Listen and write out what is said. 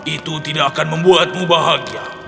itu tidak akan membuatmu bahagia